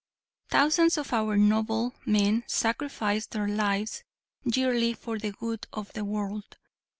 Thousands of our noble men sacrificed their lives yearly for the good of the world.